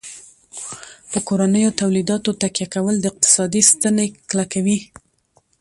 په کورنیو تولیداتو تکیه کول د اقتصاد ستنې کلکوي.